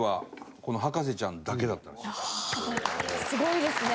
すごいですね。